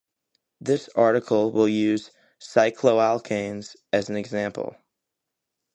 This article will use cycloalkenes as examples.